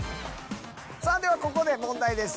さぁではここで問題です。